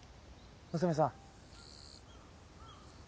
娘さん。